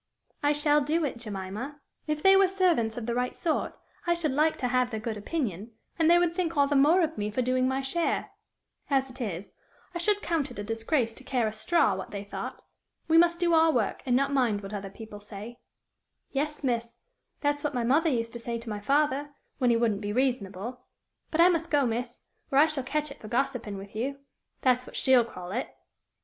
"I shall do it, Jemima. If they were servants of the right sort, I should like to have their good opinion, and they would think all the more of me for doing my share; as it is, I should count it a disgrace to care a straw, what they thought. We must do our work, and not mind what people say." "Yes, miss, that's what my mother used to say to my father, when he wouldn't be reasonable. But I must go, miss, or I shall catch it for gossiping with you that's what she'll call it."